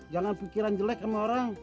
jangan pikiran jelek sama orang